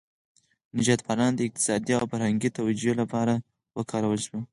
نژاد پالنه د اقتصادي او فرهنګي توجیه لپاره وکارول شوه.